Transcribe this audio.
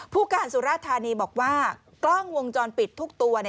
ผู้การสุราธานีบอกว่ากล้องวงจรปิดทุกตัวเนี่ย